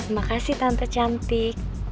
makasih tante cantik